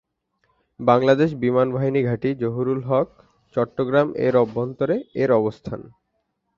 বাংলাদেশ বিমান বাহিনী ঘাঁটি, জহুরুল হক, চট্টগ্রাম এর অভ্যন্তরে এর অবস্থান।